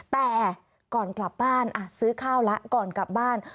แต่ก่อนกลับบ้านซื้อข้าวแล้วก่อนกลับบ้าน